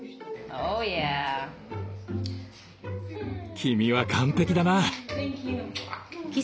君は完璧だな！